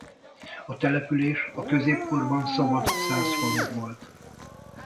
A település a középkorban szabad szász falu volt.